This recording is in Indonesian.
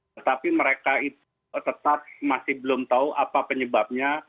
tetapi mereka itu tetap masih belum tahu apa penyebabnya